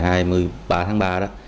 thì ba tháng ba đó